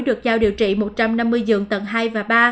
được trao điều trị một trăm năm mươi giường tầng hai và ba